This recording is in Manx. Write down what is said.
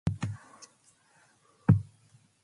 Ny rouail ersooyl reih yn oayll.